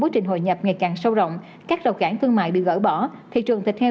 bước trình hồi nhập ngày càng sâu rộng các rầu cản thương mại bị gỡ bỏ thị trường thịt heo